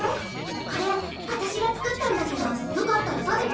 これワタシが作ったんだけどよかったら食べて。